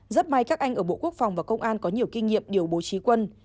rất may các anh ở bộ quốc phòng và công an có nhiều kinh nghiệm điều bố trí quân